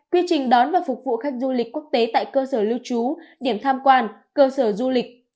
quy trình đón và phục vụ khách du lịch quốc tế tại cơ sở lưu trú điểm tham quan cơ sở du lịch